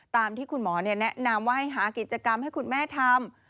ตามที่คุณหมอแนะนำว่าให้หากิจกรรมให้คุณแม่ทำ